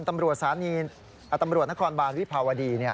ตำรวจสานีตำรวจนครบาลวิภาวดี